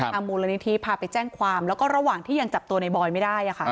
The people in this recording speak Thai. มูลนิธิพาไปแจ้งความแล้วก็ระหว่างที่ยังจับตัวในบอยไม่ได้